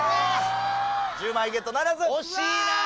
１０万円ゲットならず！